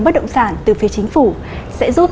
bất động sản từ phía chính phủ sẽ giúp